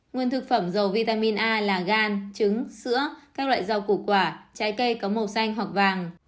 nguồn thực phẩm dầu vitamin a là gan trứng sữa các loại rau củ quả trái cây có màu xanh hoặc vàng